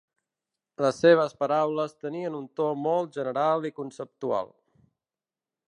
Les seves paraules tenien un to molt general i conceptual.